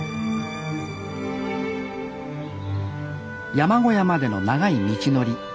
山小屋までの長い道のり。